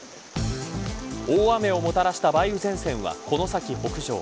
大雨をもたらした梅雨前線はこの先、北上。